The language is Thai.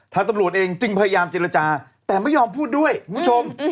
ตำรวจเองจึงพยายามเจรจาแต่ไม่ยอมพูดด้วยคุณผู้ชม